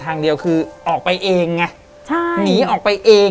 แต่ขอให้เรียนจบปริญญาตรีก่อน